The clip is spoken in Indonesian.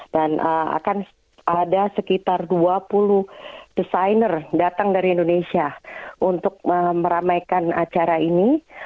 dan akan ada sekitar dua puluh desainer datang dari indonesia untuk meramaikan acara ini